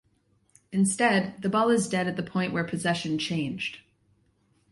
Instead, the ball is dead at the point where possession changed.